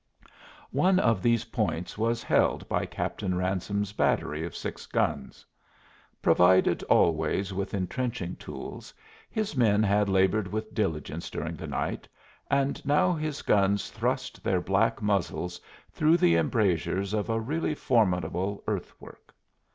One of these points was held by Captain Ransome's battery of six guns. Provided always with intrenching tools, his men had labored with diligence during the night, and now his guns thrust their black muzzles through the embrasures of a really formidable earthwork.